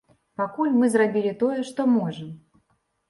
Пакуль мы зрабілі тое, што можам.